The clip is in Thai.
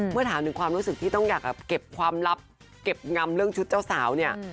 เมื่อถามถึงความรู้สึกที่ต้องอยากเก็บความลับเก็บงำเรื่องชุดเจ้าสาวเนี่ย